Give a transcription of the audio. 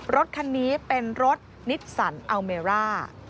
รถคันนี้เป็นรถนิสสันอัลเมร่า